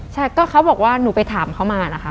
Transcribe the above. ใช่ก็เขาบอกว่าหนูไปถามเขามานะคะ